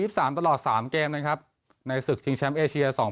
ตลอดสามเกมนะครับในศึกชิงแชมป์เอเชียสอง